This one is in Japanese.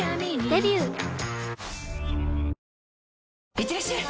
いってらっしゃい！